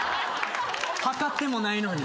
測ってもないのに。